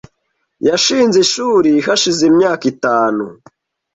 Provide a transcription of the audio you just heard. Yashinze ishuri hashize imyaka itanu .